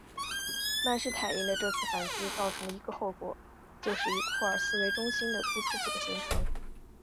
曼施坦因的这次反击造成的一个后果就是以库尔斯克为中心的突出部的形成。